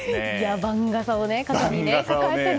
番傘を肩に抱えてね。